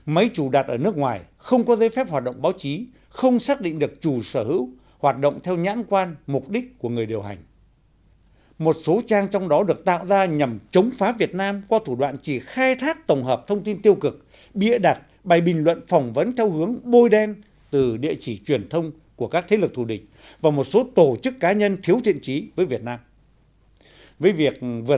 mấy trang thông tin điện tử tổng hợp tiếng việt có tên miền quốc tế